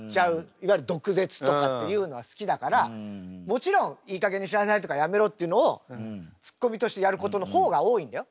いわゆる毒舌とかっていうのは好きだからもちろん「いいかげんにしなさい」とか「やめろ」っていうのをツッコミとしてやることの方が多いんだよ？